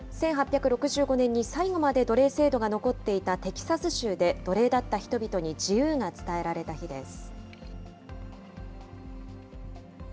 １８６５年に最後まで奴隷制度が残っていたテキサス州で、奴隷だった人々に自由が伝えられた日です。